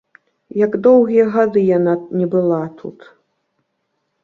Як доўгія гады яна не была тут!